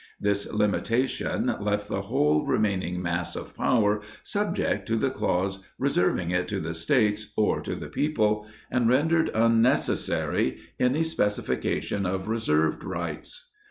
This limitation left the whole remaining mass of power subject to the clause reserving it to the States or to the people, and rendered unnecessary any specification of reserved rights.